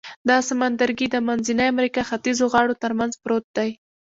دا سمندرګي د منځنۍ امریکا ختیځو غاړو تر منځ پروت دی.